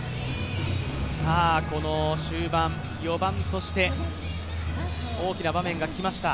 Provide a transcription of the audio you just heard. この終盤、４番として大きな場面がきました。